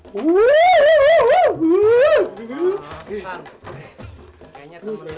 kayaknya temen lo ini